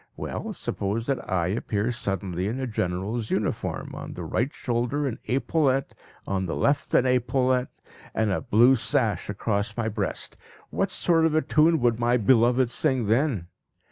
Well, suppose that I appear suddenly in a general's uniform, on the right shoulder an epaulette, on the left an epaulette, and a blue sash across my breast, what sort of a tune would my beloved sing then?